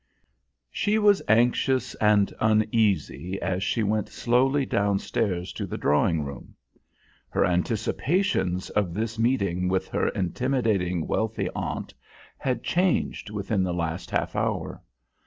She was anxious and uneasy as she went slowly downstairs to the drawing room. Her anticipations of this meeting with her intimidating, wealthy aunt had changed within the last half hour.